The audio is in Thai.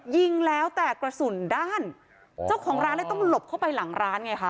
ยิงแล้วแต่กระสุนด้านเจ้าของร้านเลยต้องหลบเข้าไปหลังร้านไงคะ